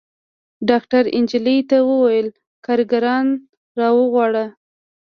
ډاکتر نجلۍ ته وويل کارګران راوغواړه.